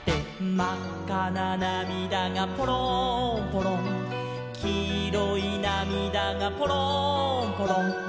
「まっかななみだがぽろんぽろん」「きいろいなみだがぽろんぽろん」